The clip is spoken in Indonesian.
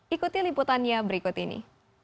ikuti liputannya berikut ini